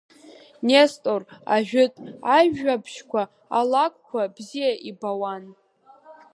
Нестор ажәытә ажәабжьқәа, алакәқәа бзиа ибуан.